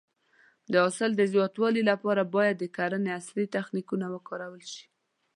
د حاصل د زیاتوالي لپاره باید د کرنې عصري تخنیکونه وکارول شي.